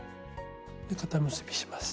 固結びします。